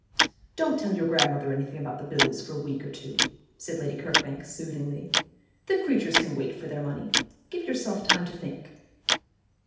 'Don't tell your grandmother anything about the bills for a week or two,' said Lady Kirkbank, soothingly. 'The creatures can wait for their money. Give yourself time to think.'